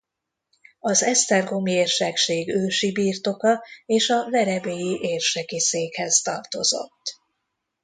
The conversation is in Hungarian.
Az esztergomi érsekség ősi birtoka és a verebélyi érseki székhez tartozott.